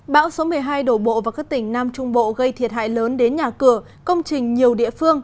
bão số một mươi hai đổ bộ vào các tỉnh nam trung bộ gây thiệt hại lớn đến nhà cửa công trình nhiều địa phương